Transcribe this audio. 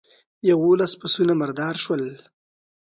يوولس پسونه مردار شول.